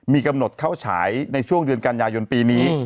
มีกำหนดเข้าฉายในช่วงเดือนกันยายนปีนี้